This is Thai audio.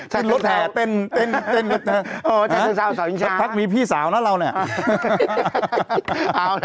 ขึ้นรถแถ่เต้นเต้นเต้นอ๋อแช่งสาวสาวอีกช้าพักมีพี่สาวน่ะเราเนี้ย